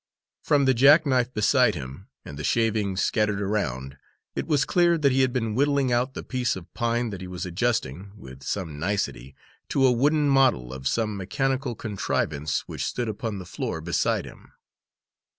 From the jack knife beside him, and the shavings scattered around, it was clear that he had been whittling out the piece of pine that he was adjusting, with some nicety, to a wooden model of some mechanical contrivance which stood upon the floor beside him.